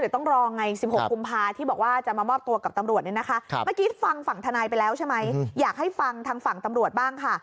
เดี๋ยวต้องรอไง๑๖กุมภาที่บอกว่าจะมามอบตัวกับตำรวจเนี่ยนะคะเมื่อกี้ฟังฝั่งทนายไปแล้วใช่ไหมอยากให้ฟังทางฝั่งตำรวจบ้างค่ะ